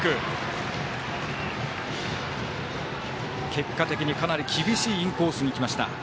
結果的にかなり厳しいインコースにきました。